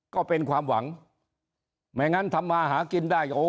ก็เป็นความหวังไม่งั้นทำมาหากินได้โอ้